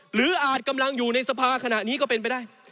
อาจกำลังอยู่ในสภาขณะนี้ก็เป็นไปได้